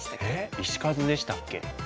石数でしたっけ？